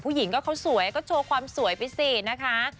ผู้หญิงก็เขาสวยก็โชว์ความสวยไปสินะคะ